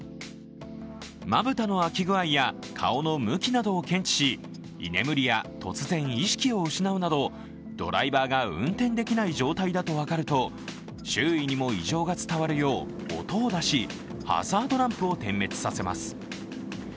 まぶたの開き具合や顔の向きなどを検知し居眠りや突然意識を失うなどドライバーが運転できない状態だと分かると周囲にも異常が伝わるよう音を出しハザードランプを点滅させます。